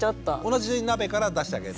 同じ鍋から出してあげる。